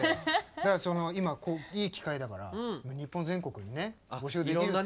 だから今いい機会だから日本全国にね募集できると。